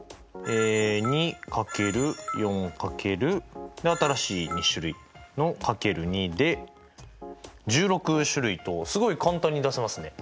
２×４×で新しい２種類の×２で１６種類とすごい簡単に出せますね。